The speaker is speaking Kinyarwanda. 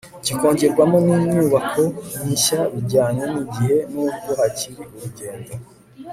kikongerwamo n'inyubako nshya bijyanye n'igihe n'ubwo hakiri urugendo